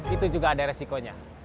itu juga ada resikonya